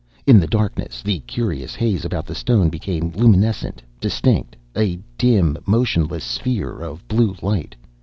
In the darkness, the curious haze about the stone became luminescent, distinct, a dim, motionless sphere of blue light.